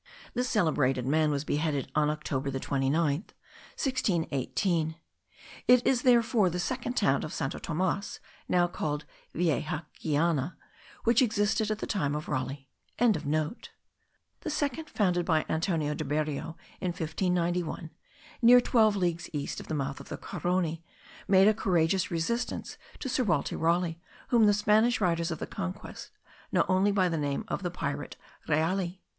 This celebrated man was beheaded on October the 29th, 1618. It is therefore the second town of Santo Tomas, now called Vieja Guyana, which existed in the time of Raleigh.) The second, founded by Antonio de Berrio in 1591, near twelve leagues east of the mouth of the Carony, made a courageous resistance to Sir Walter Raleigh, whom the Spanish writers of the conquest know only by the name of the pirate Reali.